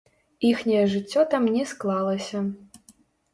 Іхняе жыццё там не склалася.